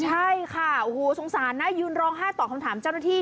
ใช่ค่ะโอ้โหสงสารนะยืนร้องไห้ตอบคำถามเจ้าหน้าที่